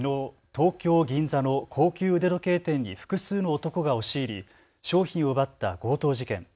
東京銀座の高級腕時計店に複数の男が押し入り商品を奪った強盗事件。